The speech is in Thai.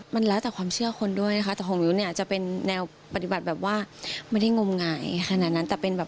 มีเรื่องจะไปอีกรอบไหมคะ